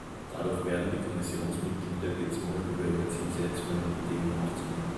Dadurch werden die Kommissionsmitglieder gezwungen, über ihre Zielsetzungen und Ideen nachzudenken.